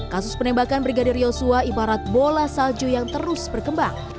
kasus penembakan brigadir yosua ibarat bola salju yang terus berkembang